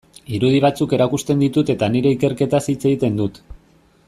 Irudi batzuk erakusten ditut eta nire ikerketaz hitz egiten dut.